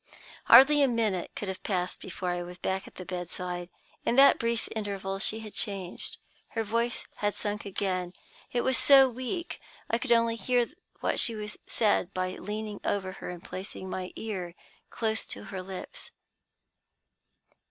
"Hardly a minute can have passed before I was back again at the bedside. In that brief interval she had changed. Her voice had sunk again; it was so weak that I could only hear what she said by leaning over her and placing my ear close to her lips.